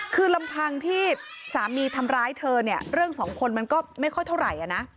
คือลำพังที่สามีทำร้ายเธอเนี่ยเรื่องสองคนมันก็ไม่ค่อยเท่าไหร่นะ